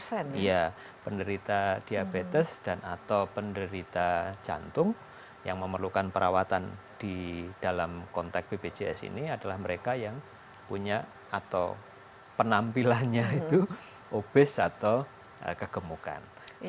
jadi penerita diabetes dan atau penerita jantung yang memerlukan perawatan di dalam kontak bpjs ini adalah mereka yang punya atau penampilannya itu obes atau kegemukan